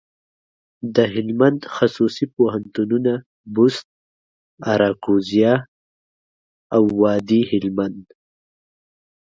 دهلمند خصوصي پوهنتونونه، بُست، اراکوزیا او وادي هلمند.